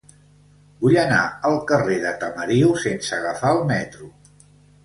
Vull anar al carrer de Tamariu sense agafar el metro.